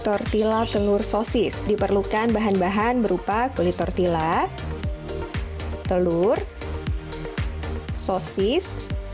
tortilla telur sosis diperlukan bahan bahan berupa kulit tortilla telur sosis